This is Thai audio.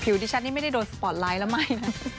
ผิวที่ชัดนี้ไม่ได้โดนสปอร์ตไลท์แล้วไหมนะ